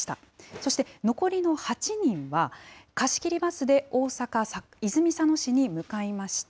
そして、残りの８人は、貸し切りバスで大阪・泉佐野市に向かいました。